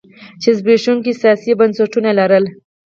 چې زبېښونکي سیاسي بنسټونه لرل.